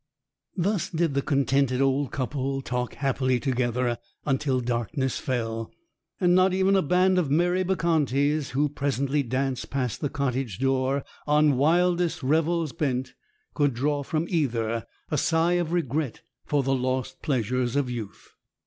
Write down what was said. Thus did the contented old couple talk happily together until darkness fell; and not even a band of merry Bacchantes who presently danced past the cottage door, on wildest revels bent, could draw from either a sigh of regret for the lost pleasures of youth.